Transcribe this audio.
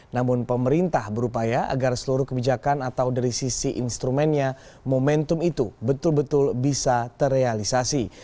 namun pemerintah berupaya agar seluruh kebijakan atau dari sisi instrumennya momentum itu betul betul bisa terrealisasi